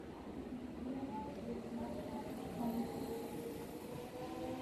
Comoros does not have a strong party system.